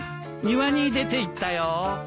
庭に出ていったよ。